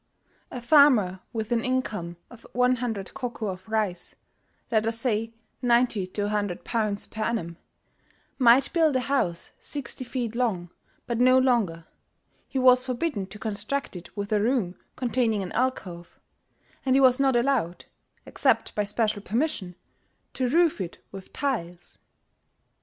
A farmer with an income of 100 koku of rice (let us say 90 to 100 pounds per annum) might build a house 60 feet long, but no longer: he was forbidden to construct it with a room containing an alcove; and he was not allowed except by special permission to roof it with tiles.